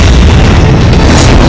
aku akan mencari penyelesaianmu